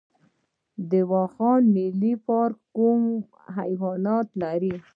د واخان ملي پارک کوم حیوانات لري؟